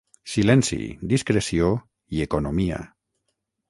Silenci, discreció i economia